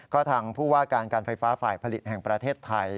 ก็ทางผู้ว่าการการไฟฟ้าฝ่ายผลิตแห่งประเทศไทย